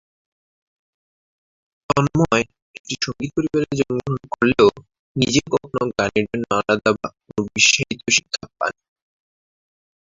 তন্ময় একটি সঙ্গীত পরিবারে জন্মগ্রহণ করলেও নিজে কখনো গানের জন্য আলাদা কোন বিশেষায়িত শিক্ষা পাননি।